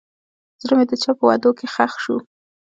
زړه مې د چا په وعدو کې ښخ شو.